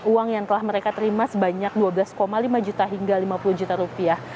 uang yang telah mereka terima sebanyak dua belas lima juta hingga lima puluh juta rupiah